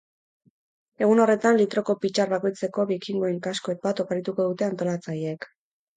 Egun horretan, litroko pitxar bakoitzeko bikingoen kasko bat oparituko dute antolatzaileek.